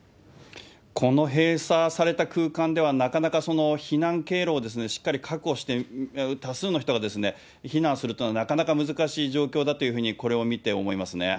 この閉鎖された空間では、なかなか避難経路をしっかり確保して、多数の人が避難するというのは、なかなか難しい状況だというふうにこれを見て思いますね。